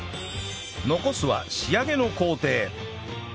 残すは仕上げの工程